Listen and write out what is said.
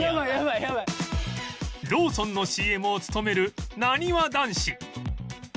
ローソンの ＣＭ を務めるなにわ男子